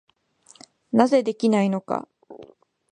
なぜできないのか。